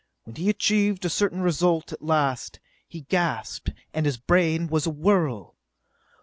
When he achieved a certain result at last, he gasped, and his brain was a whirl.